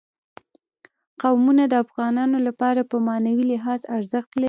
قومونه د افغانانو لپاره په معنوي لحاظ ارزښت لري.